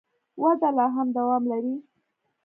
وده لا هم دوام لري.